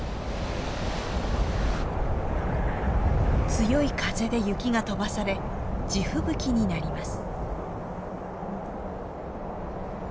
強い風で雪が飛ばされ地吹雪になります。